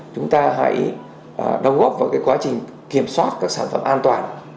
chúng ta hãy đồng góp vào quá trình kiểm soát các sản phẩm an toàn